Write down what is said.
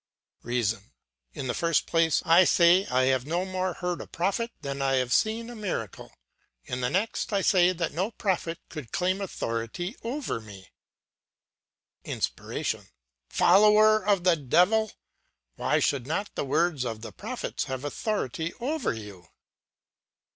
"REASON: In the first place, I say I have no more heard a prophet than I have seen a miracle. In the next, I say that no prophet could claim authority over me. "INSPIRATION: Follower of the devil! Why should not the words of the prophets have authority over you?